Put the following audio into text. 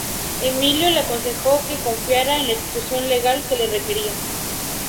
Emilio le aconsejó que confiara en la institución legal que la requería.